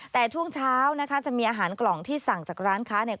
แต่ช่วงเช้านะคะจะมีอาหารกล่องที่สั่งจากร้านค้าเนี่ย